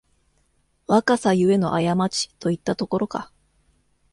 若さゆえのあやまちといったところか